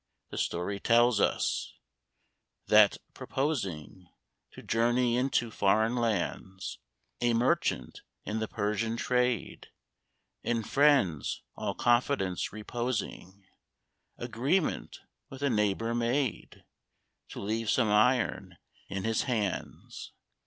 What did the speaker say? The story tells us That, proposing To journey into foreign lands, A merchant, in the Persian trade In friends all confidence reposing Agreement with a neighbour made, To leave some iron in his hands.